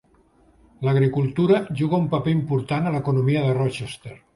L'agricultura juga un paper important a l'economia de Rochester.